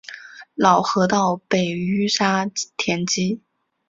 老河道被淤沙填积。